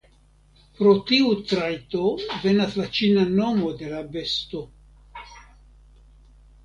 Pro tiu trajto venas la ĉina nomo de la besto.